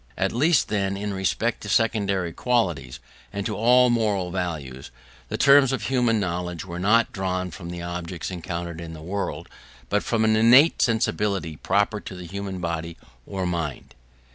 At least, then, in respect to secondary qualities, and to all moral values, the terms of human knowledge were not drawn from the objects encountered in the world, but from an innate sensibility proper to the human body or mind.